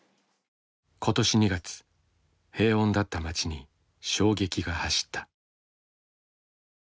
今年２月平穏だった町に衝撃が走った。